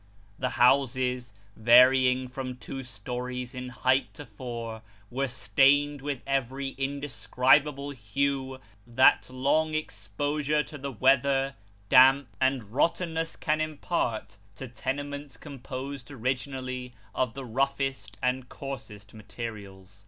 The houses, varying from two stories His Daughter. 371 in height to four, were stained with every indescribable hue that long exposure to the weather, damp, and rottenness can impart to tenements composed originally of the roughest and coarsest materials.